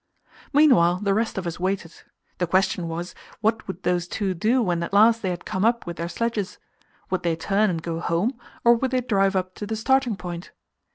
Meanwhile the rest of us waited. The question was, what would those two do when at last they had come up with their sledges? Would they turn and go home, or would they drive up to the starting point?